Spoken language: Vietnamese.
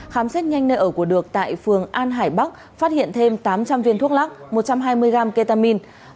khám xét nhanh nơi ở của được tại phường an hải bắc phát hiện thêm tám trăm linh viên thuốc lắc một trăm hai mươi gram ketamine